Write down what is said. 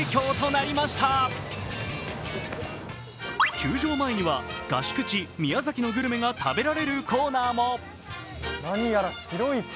球場前には合宿地・宮崎のグルメが食べられるコーナーが。